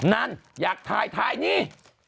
นั่นอยากถ่ายถ่ายนี่